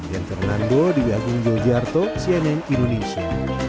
dan fernando di wiatu njr cnn indonesia